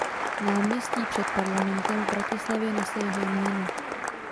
Náměstí před parlamentem v Bratislavě nese jeho jméno.